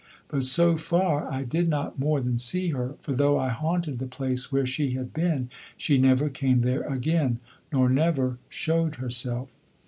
But so far I did not more than see her, for though I haunted the place where she had been she never came there again, nor never showed herself.